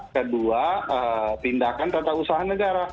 kedua tindakan tata usaha negara